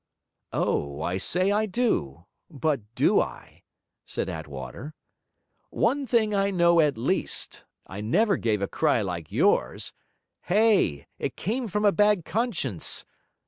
'Oh, I say I do. But do I?' said Attwater. 'One thing I know at least: I never gave a cry like yours. Hay! it came from a bad conscience!